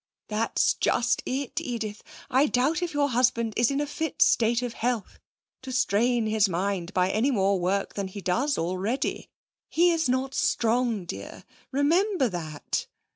'That's just it, Edith. I doubt if your husband is in a fit state of health to strain his mind by any more work than he does already. He's not strong, dear; remember that.'